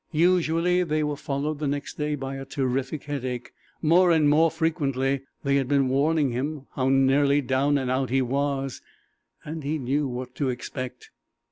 Usually they were followed the next day by a terrific headache. More and more frequently they had been warning him how nearly down and out he was, and he knew what to expect.